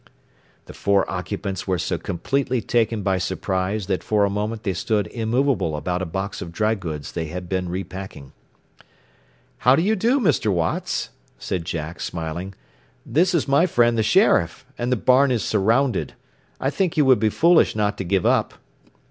The four occupants were so completely taken by surprise that for a moment they stood immovable about a box of dry goods they had been repacking. "How do you do, Mr. Watts," said Jack, smiling. "This is my friend the sheriff, and the barn is surrounded. I think you would be foolish not to give up."